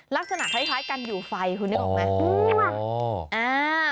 ลักษณะคล้ายกันอยู่ไฟคุณได้บอกมั้ย